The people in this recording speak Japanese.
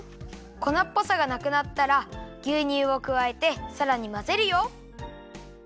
粉っぽさがなくなったらぎゅうにゅうをくわえてさらにまぜるよ。